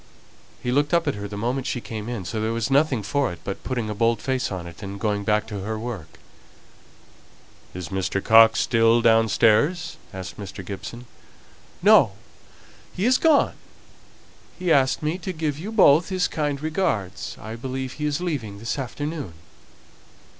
He looked up at her the moment she came in, so there was nothing for it but putting a bold face on it, and going back to her work. "Is Mr. Coxe still downstairs?" asked Mr. Gibson. "No. He is gone. He asked me to give you both his kind regards. I believe he is leaving this afternoon."